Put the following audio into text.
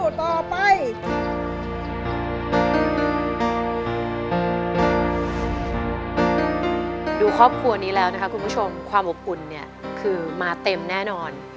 ความอบอุ่นมาเต็มแน่นอน